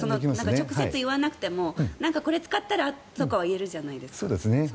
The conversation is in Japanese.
直接言わなくてもこれ使ったら？とかは言えるじゃないですか。